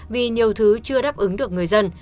vì nhiều thứ chưa đáp ứng được người dân